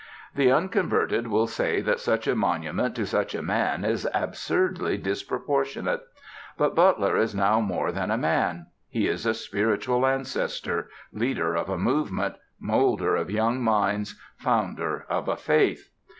The unconverted will say that such a monument to such a man is absurdly disproportionate. But Butler is now more than a man. He is a spiritual ancestor, leader of a movement, moulder of young minds, founder of a faith.